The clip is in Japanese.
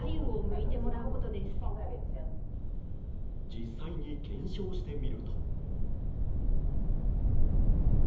実際に検証してみると。